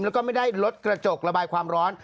แล้วก็ไม่ได้ลดกระจกระบายความร้อน